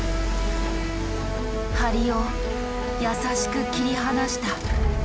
梁を優しく切り離した。